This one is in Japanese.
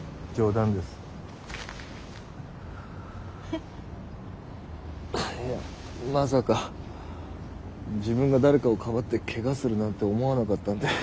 あっいやまさか自分が誰かをかばってケガするなんて思わなかったんで。